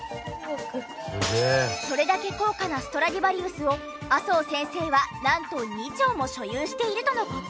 それだけ高価なストラディバリウスを麻生先生はなんと２挺も所有しているとの事。